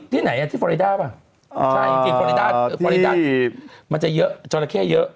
ที่ไหนที่เฟอร์รีด้าป่ะใช่จริงเฟอร์รีด้ามันจะเยอะจราเข้เยอะ